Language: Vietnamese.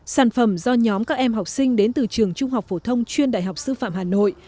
sản phẩm do nhóm các em học sinh đến từ trường trung học phổ thông chuyên đại học sư phạm hà nội